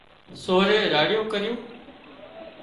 سورئي راڙيون ڪريون